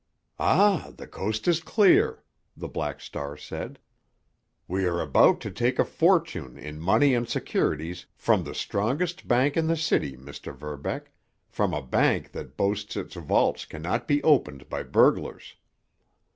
"Ah, the coast is clear!" the Black Star said. "We are about to take a fortune in money and securities from the strongest bank in the city, Mr. Verbeck, from a bank that boasts its vaults cannot be opened by burglars."